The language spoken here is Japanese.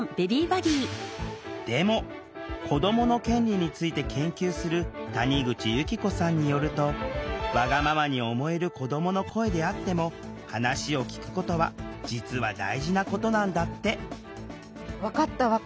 でも子どもの権利について研究する谷口由希子さんによるとわがままに思える子どもの声であっても話を聴くことは実は大事なことなんだって。